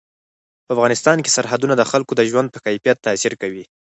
په افغانستان کې سرحدونه د خلکو د ژوند په کیفیت تاثیر کوي.